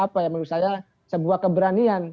menurut saya sebuah keberanian